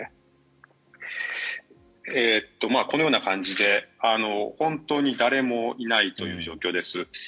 このような感じで、本当に誰もいないという状況です。